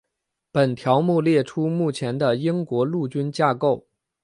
本条目列出目前的英国陆军架构。